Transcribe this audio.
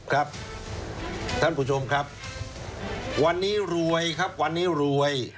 ครับท่านผู้ชมครับวันนี้รวยครับวันนี้รวย